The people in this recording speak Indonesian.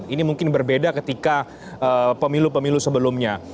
ini mungkin berbeda ketika pemilu pemilu sebelumnya